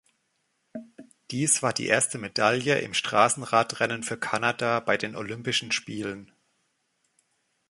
Dies war die erste Medaille im Straßenradrennen für Kanada bei den Olympischen Spielen.